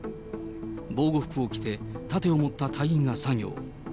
防護服を着て盾を持った隊員が作業。